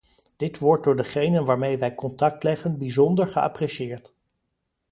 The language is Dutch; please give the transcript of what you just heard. Dit wordt door degenen waarmee wij contact leggen bijzonder geapprecieerd.